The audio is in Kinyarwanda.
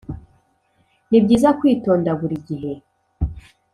nibyiza kwitonda buri gihe